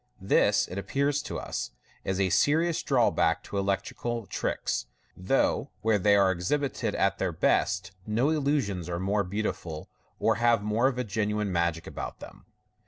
This, it appears to us, is a seri ous drawback to electri cal tricks, though where they are exhibited at their best no illusions are more beautiful, or have more of genuine magic about them.